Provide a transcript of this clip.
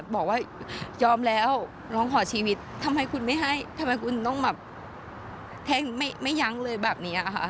แบบเทงไม่ยั้งเลยแบบนี้ค่ะ